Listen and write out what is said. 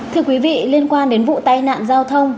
thưa quý vị liên quan đến vụ tai nạn giao thông